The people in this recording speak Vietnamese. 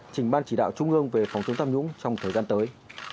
trình ban chỉ đạo trung ương về phòng chống tham nhũng trong thời gian tới